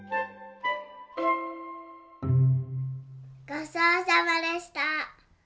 ごちそうさまでした！